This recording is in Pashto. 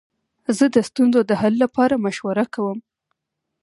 زه د ستونزو د حل لپاره مشوره کوم.